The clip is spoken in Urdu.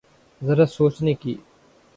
ذرا سوچنے کی۔